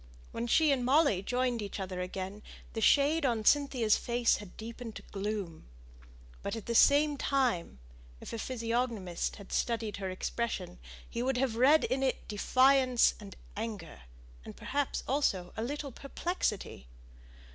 When she and Molly joined each other again, the shade on Cynthia's face had deepened to gloom. But, at the same time, if a physiognomist had studied her expression, he would have read in it defiance and anger, and perhaps also a little perplexity.